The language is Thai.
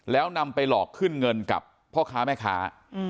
แล้วนำไปหลอกขึ้นเงินกับพ่อค้าแม่ค้า